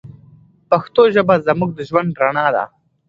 پښتو ژبه زموږ د ژوند رڼا ده.